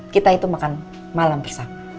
kita itu makan malam bersama